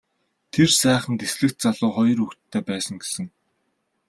Тэр сайхан дэслэгч залуу хоёр хүүхэдтэй байсан гэсэн.